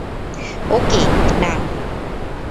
ওকে, না।